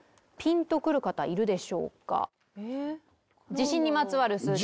地震にまつわる数字なんです